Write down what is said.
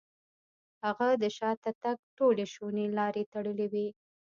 هغه د شاته تګ ټولې شونې لارې تړلې وې.